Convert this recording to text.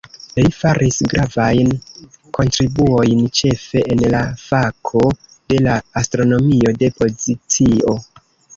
Li faris gravajn kontribuojn ĉefe en la fako de la astronomio de pozicio.